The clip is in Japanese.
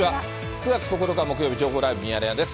９月９日木曜日、情報ライブミヤネ屋です。